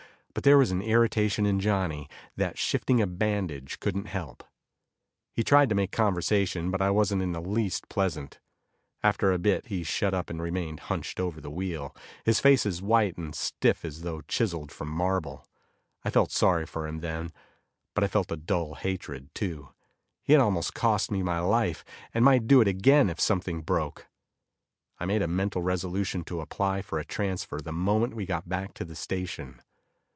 But there was an irritation in Johnny that shifting a bandage couldn't help. He tried to make conversation, but I wasn't in the least pleasant. After a bit, he shut up and remained hunched over the wheel, his face as white and stiff as though chiselled from marble. I felt sorry for him then, but I felt a dull hatred, too. He had almost cost me my life, and might do it again if something broke. I made a mental resolution to apply for a transfer the moment we got back to the station.